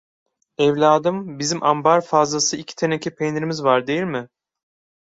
Evladım, bizim ambar fazlası iki teneke peynirimiz var, değil mi?